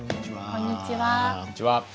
こんにちは。